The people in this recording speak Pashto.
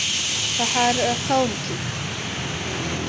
په هر قوم کې